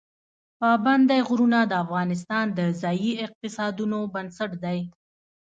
پابندی غرونه د افغانستان د ځایي اقتصادونو بنسټ دی.